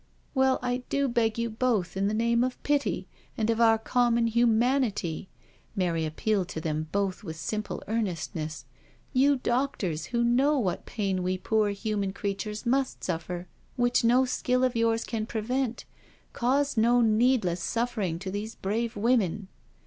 '* Well, I do beg you both, in the name of pity, and of our conmion humanity "— Mary appealed to them both with simpl6 earnestness —*' you doctors who know what pain we poor human creatures must suffer, which no skill of yours can prevent, cause no needless suffer ing to these brave women.